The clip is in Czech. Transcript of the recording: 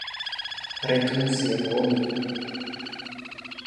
Rytmus je volný.